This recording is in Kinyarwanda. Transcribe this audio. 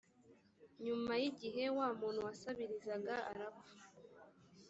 nyuma y igihe wa muntu wasabirizaga arapfa